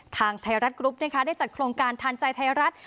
ทางไทยรัฐกรุ๊ปนะคะได้จัดโครงการทานใจไทยรัฐ